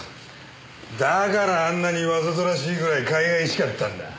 だからあんなにわざとらしいぐらいかいがいしかったんだ。